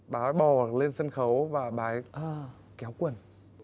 bà ấy bò lên sân khấu và bà ấy kéo quần